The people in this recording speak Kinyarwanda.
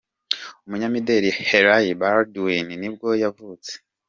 Umunyamideli Hailey Baldwin nibwo yavutse.